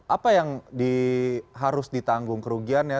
apa yang harus ditanggung kerugiannya